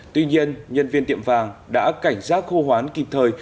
tuy nhiên nhân viên tiệm vàng đã cảnh giác hô hoán kịp thời